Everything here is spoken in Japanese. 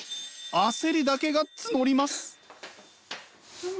焦りだけが募ります。